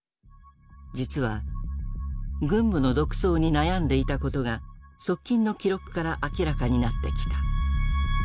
実は軍部の独走に悩んでいたことが側近の記録から明らかになってきた。